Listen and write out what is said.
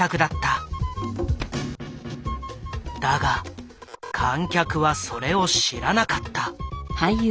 だが観客はそれを知らなかった。